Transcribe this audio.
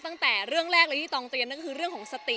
ตั้งแต่เรื่องแรกเลยที่ตองเตรียมนั่นก็คือเรื่องของสติ